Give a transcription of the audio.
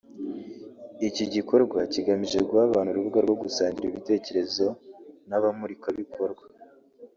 Iki gikorwa kigamije guha abantu urubuga rwo gusangira ibitekerezo n’abamurikabikorwa